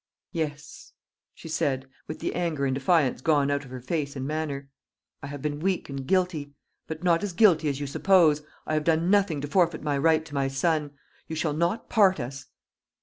"Yes," she said, with the anger and defiance gone out of her face and manner, "I have been weak and guilty, but not as guilty as you suppose. I have done nothing to forfeit my right to my son. You shall not part us!"